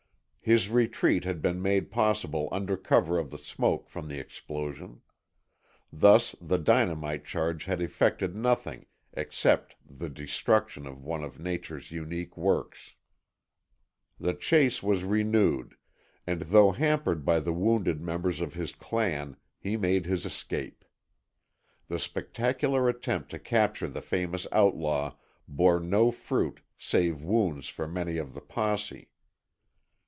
His retreat had been made possible under cover of the smoke from the explosion. Thus the dynamite charge had effected nothing except the destruction of one of nature's unique works. The chase was renewed, and though hampered by the wounded members of his clan, he made his escape. The spectacular attempt to capture the famous outlaw bore no fruit save wounds for many of the posse.